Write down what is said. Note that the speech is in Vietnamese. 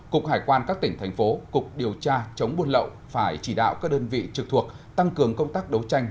cục hải quan các tỉnh thành phố cục điều tra chống buôn lậu phải chỉ đạo các đơn vị trực thuộc tăng cường công tác đấu tranh